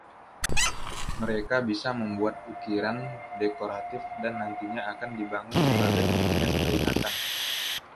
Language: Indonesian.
Mereka bisa membuat ukiran dekoratif dan nantinya akan dibangun sebagai monumen peringatan.